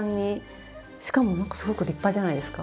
しかもなんかすごく立派じゃないですか。